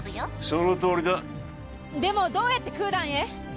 そのとおりだでもどうやってクーダンへ？